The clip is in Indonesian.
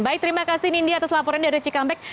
baik terima kasih nindya atas laporan dari jikampek